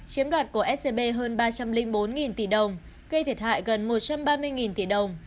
chiếm đoạt của scb hơn ba trăm linh bốn tỷ đồng gây thiệt hại gần một trăm ba mươi tỷ đồng